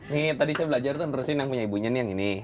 nih tadi saya belajar terusin yang punya ibunya nih yang ini